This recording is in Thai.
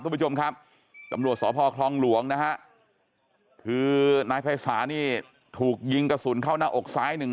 คุณผู้ชมครับตำรวจสพคลองหลวงนะฮะคือนายภัยศาลนี่ถูกยิงกระสุนเข้าหน้าอกซ้ายหนึ่ง